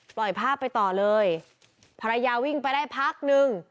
ปล่อยภาพไปต่อเลยภรรยาวิ่งไปได้พักนึง